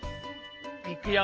いくよ。